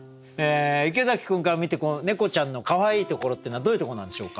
池崎君から見て猫ちゃんのかわいいところっていうのはどういうとこなんでしょうか？